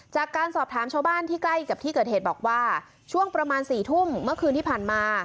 จากการสอบถามชาวบ้านที่ใกล้กับที่เกิดเหตุบอกว่าช่วงประมาณ๔ทุ่มเมื่อคืนที่ผ่านมา